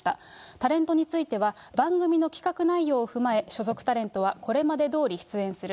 タレントについては、番組の企画内容を踏まえ、所属タレントはこれまでどおり出演する。